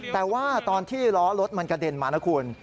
แต่ว่าตอนที่ล้อรถมันกระเด็นมานะคุณ